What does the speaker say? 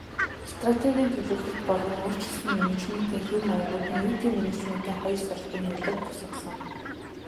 Стратегийн төлөвлөлт болон өөрчилсөн менежментийн хэв маягууд нь нийтийн менежментийн хоёр салбарын нөлөөг тусгасан.